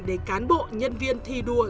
để cán bộ nhân viên thi đua